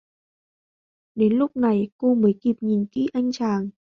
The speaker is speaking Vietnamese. Đến lúc này cô mới kịp Nhìn kỹ anh chàng